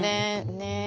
ねえ！